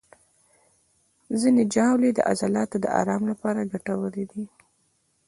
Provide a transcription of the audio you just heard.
ځینې ژاولې د عضلاتو د آرام لپاره ګټورې دي.